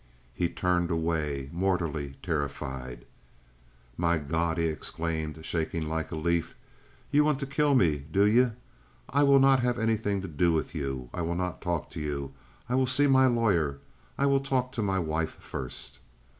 He turned away mortally terrified. "My God!" he exclaimed, shaking like a leaf. "You want to keel me, do you? I weel not have anything to do with you! I weel not talk to you! I weel see my lawyer. I weel talk to my wife first."